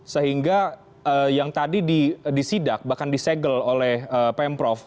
sehingga yang tadi disidak bahkan disegel oleh pm prof